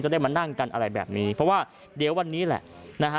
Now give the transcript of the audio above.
ได้มานั่งกันอะไรแบบนี้เพราะว่าเดี๋ยววันนี้แหละนะฮะ